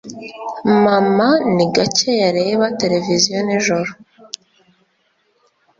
Mama ni gake yareba televiziyo nijoro.